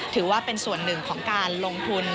ถือว่าเป็นส่วนหนึ่งของการลงทุน